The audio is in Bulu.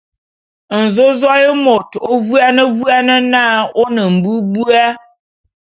Nzōzôé môt ô vuane vuane na ô ne mbubua.